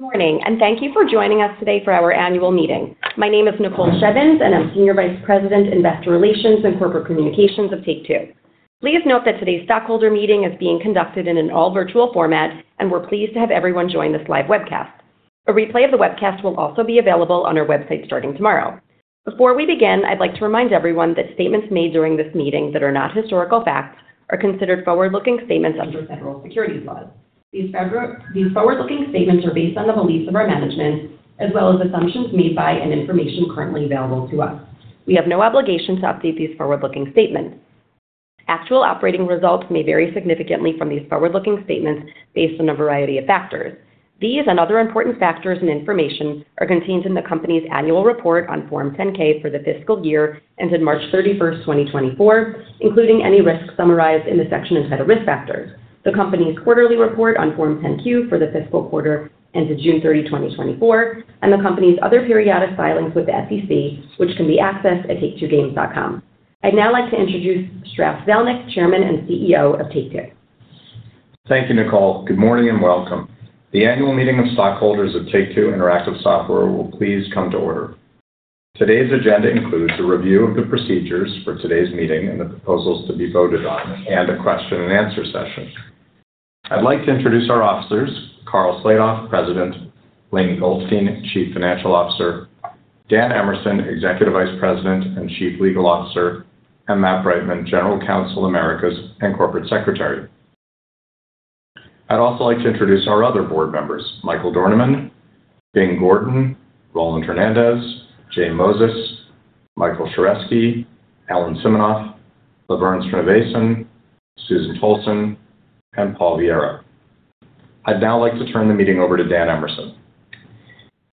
Good morning, and thank you for joining us today for our annual meeting. My name is Nicole Shevins, and I'm Senior Vice President, Investor Relations and Corporate Communications of Take-Two. Please note that today's stockholder meeting is being conducted in an all-virtual format, and we're pleased to have everyone join this live webcast. A replay of the webcast will also be available on our website starting tomorrow. Before we begin, I'd like to remind everyone that statements made during this meeting that are not historical facts are considered forward-looking statements under federal securities laws. These forward-looking statements are based on the beliefs of our management as well as assumptions made by and information currently available to us. We have no obligation to update these forward-looking statements. Actual operating results may vary significantly from these forward-looking statements based on a variety of factors. These and other important factors and information are contained in the company's Annual Report on Form 10-K for the fiscal year ended March 31st, 2024, including any risks summarized in the section entitled Risk Factors, the company's quarterly report on Form 10-Q for the fiscal quarter ended June 30, 2024, and the company's other periodic filings with the SEC, which can be accessed at taketwogames.com. I'd now like to introduce Strauss Zelnick, Chairman and CEO of Take-Two. Thank you, Nicole. Good morning, and welcome. The annual meeting of stockholders of Take-Two Interactive Software will please come to order. Today's agenda includes a review of the procedures for today's meeting and the proposals to be voted on, and a question and answer session. I'd like to introduce our officers, Karl Slatoff, President, Lainie Goldstein, Chief Financial Officer, Dan Emerson, Executive Vice President and Chief Legal Officer, and Matt Breitman, General Counsel, Americas and Corporate Secretary. I'd also like to introduce our other board members, Michael Dornemann, Bing Gordon, Roland Hernandez, J. Moses, Michael Sheresky, Ellen Siminoff, LaVerne Srinivasan, Susan Tolson, and Paul Viera. I'd now like to turn the meeting over to Dan Emerson.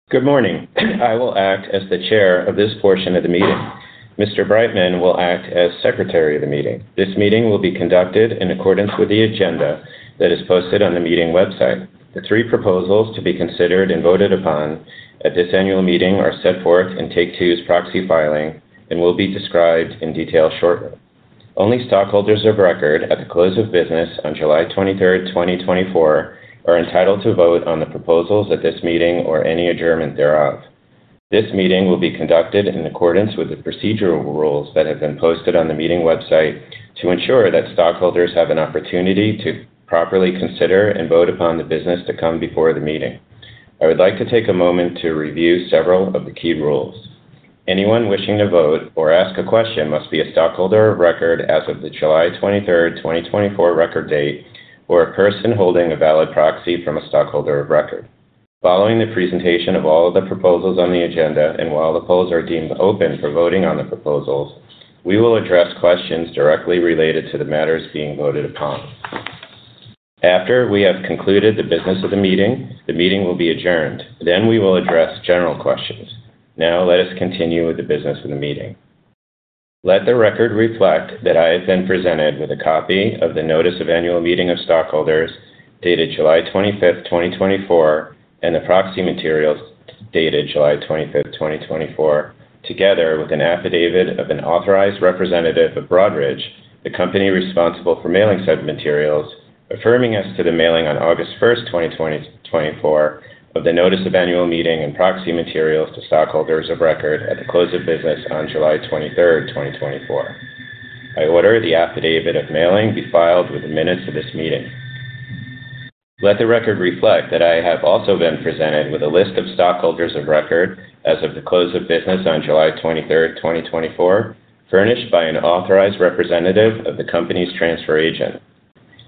Good morning. I will act as the chair of this portion of the meeting. Mr. Breitman will act as secretary of the meeting. This meeting will be conducted in accordance with the agenda that is posted on the meeting website. The three proposals to be considered and voted upon at this annual meeting are set forth in Take-Two's proxy filing and will be described in detail shortly. Only stockholders of record at the close of business on July 23rd, 2024, are entitled to vote on the proposals at this meeting or any adjournment thereof. This meeting will be conducted in accordance with the procedural rules that have been posted on the meeting website to ensure that stockholders have an opportunity to properly consider and vote upon the business to come before the meeting. I would like to take a moment to review several of the key rules. Anyone wishing to vote or ask a question must be a stockholder of record as of the July 23rd, 2024, record date or a person holding a valid proxy from a stockholder of record. Following the presentation of all of the proposals on the agenda and while the polls are deemed open for voting on the proposals, we will address questions directly related to the matters being voted upon. After we have concluded the business of the meeting, the meeting will be adjourned, then we will address general questions. Now let us continue with the business of the meeting. Let the record reflect that I have been presented with a copy of the Notice of Annual Meeting of Stockholders dated July 25th, 2024, and the proxy materials dated July 25th, 2024, together with an affidavit of an authorized representative of Broadridge, the company responsible for mailing such materials, affirming as to the mailing on August 1st, 2024, of the notice of annual meeting and proxy materials to stockholders of record at the close of business on July 23rd, 2024. I order the affidavit of mailing be filed with the minutes of this meeting. Let the record reflect that I have also been presented with a list of stockholders of record as of the close of business on July 23rd, 2024, furnished by an authorized representative of the company's transfer agent.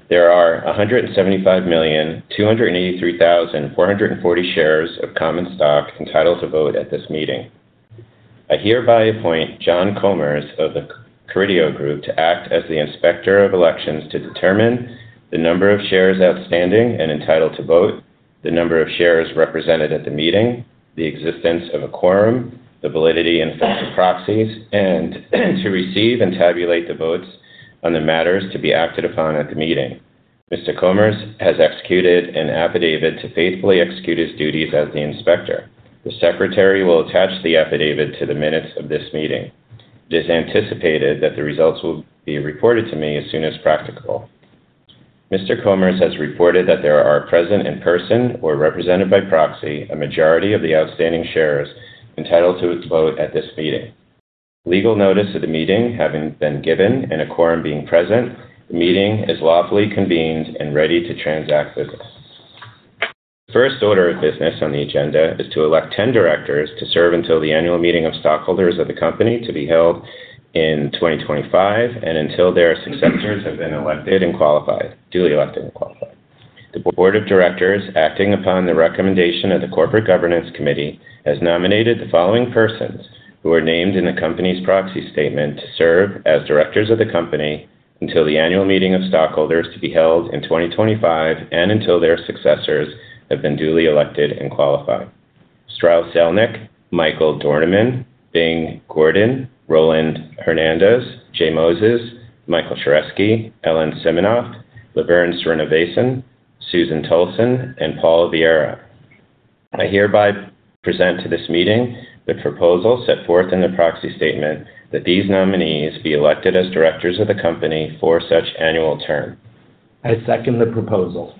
There are a 175,283,440 shares of common stock entitled to vote at this meeting. I hereby appoint John Comer of the Carideo Group to act as the Inspector of Elections, to determine the number of shares outstanding and entitled to vote, the number of shares represented at the meeting, the existence of a quorum, the validity and effect of proxies, and to receive and tabulate the votes on the matters to be acted upon at the meeting. Mr. Comer has executed an affidavit to faithfully execute his duties as the inspector. The secretary will attach the affidavit to the minutes of this meeting. It is anticipated that the results will be reported to me as soon as practicable. Mr. Comer has reported that there are present in person or represented by proxy, a majority of the outstanding shares entitled to vote at this meeting. Legal notice of the meeting having been given and a quorum being present, the meeting is lawfully convened and ready to transact business. The first order of business on the agenda is to elect ten directors to serve until the annual meeting of stockholders of the company to be held in 2025 and until their successors have been elected and qualified, duly elected and qualified. The Board of Directors, acting upon the recommendation of the Corporate Governance Committee, has nominated the following persons, who are named in the company's Proxy Statement, to serve as directors of the company until the annual meeting of stockholders to be held in 2025 and until their successors have been duly elected and qualified. Strauss Zelnick, Michael Dornemann, Bing Gordon, Roland Hernandez, J. Moses, Michael Sheresky, Ellen Siminoff, LaVerne Srinivasan, Susan Tolson, and Paul Viera. I hereby present to this meeting the proposal set forth in the proxy statement that these nominees be elected as directors of the company for such annual term. I second the proposal.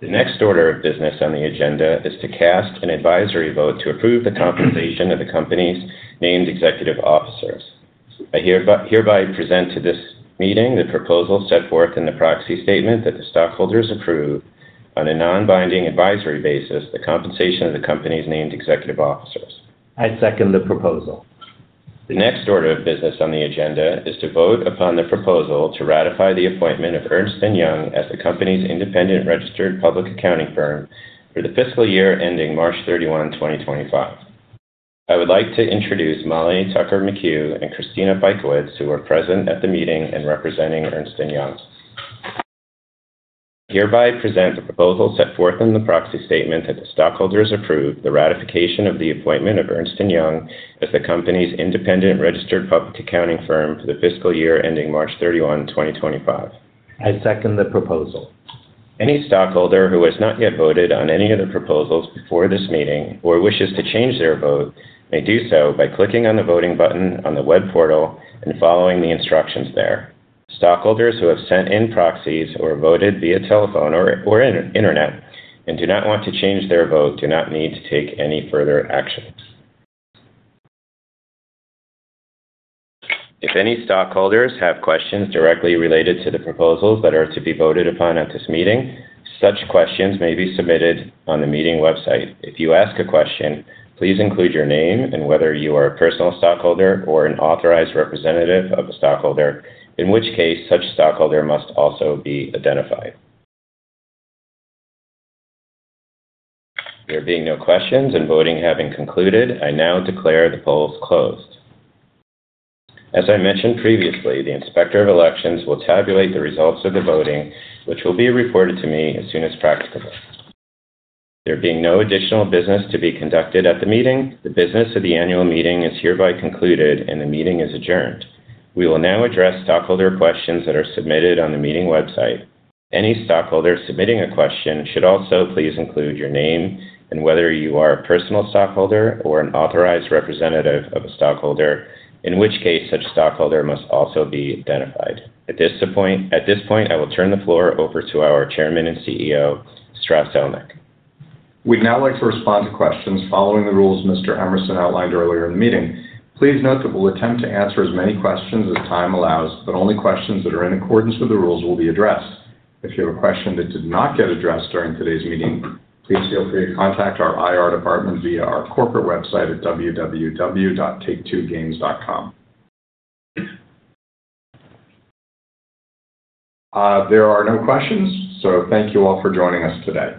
The next order of business on the agenda is to cast an advisory vote to approve the compensation of the company's named executive officers. I hereby present to this meeting the proposal set forth in the proxy statement that the stockholders approve on a non-binding advisory basis, the compensation of the company's named executive officers. I second the proposal. The next order of business on the agenda is to vote upon the proposal to ratify the appointment of Ernst & Young as the company's independent registered public accounting firm for the fiscal year ending March 31, 2025. I would like to introduce Molly Tucker McHugh and Christina Bykov, who are present at the meeting and representing Ernst & Young. Hereby present, the proposal set forth in the proxy statement that the stockholders approve the ratification of the appointment of Ernst & Young as the company's independent registered public accounting firm for the fiscal year ending March 31, 2025. I second the proposal. Any stockholder who has not yet voted on any of the proposals before this meeting or wishes to change their vote, may do so by clicking on the voting button on the web portal and following the instructions there. Stockholders who have sent in proxies or voted via telephone or Internet and do not want to change their vote, do not need to take any further actions. If any stockholders have questions directly related to the proposals that are to be voted upon at this meeting, such questions may be submitted on the meeting website. If you ask a question, please include your name and whether you are a personal stockholder or an authorized representative of the stockholder, in which case such stockholder must also be identified. There being no questions and voting having concluded, I now declare the polls closed. As I mentioned previously, the Inspector of Elections will tabulate the results of the voting, which will be reported to me as soon as practicable. There being no additional business to be conducted at the meeting, the business of the Annual Meeting is hereby concluded and the meeting is adjourned. We will now address stockholder questions that are submitted on the meeting website. Any stockholder submitting a question should also please include your name and whether you are a personal stockholder or an authorized representative of a stockholder, in which case such stockholder must also be identified. At this point, I will turn the floor over to our Chairman and CEO, Strauss Zelnick. We'd now like to respond to questions following the rules Mr. Emerson outlined earlier in the meeting. Please note that we'll attempt to answer as many questions as time allows, but only questions that are in accordance with the rules will be addressed. If you have a question that did not get addressed during today's meeting, please feel free to contact our IR department via our corporate website at www.take2games.com. There are no questions, so thank you all for joining us today.